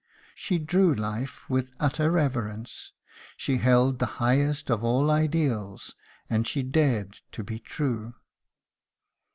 She drew life with utter reverence; she held the highest of all ideals, and she dared to be true.